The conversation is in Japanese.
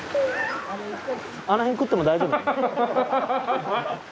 あのへん食っても大丈夫？